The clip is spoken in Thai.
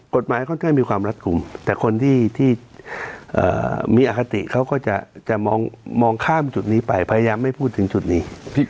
ค่อนข้างมีความรัดกลุ่มแต่คนที่มีอคติเขาก็จะมองข้ามจุดนี้ไปพยายามไม่พูดถึงจุดนี้